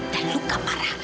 dan luka parah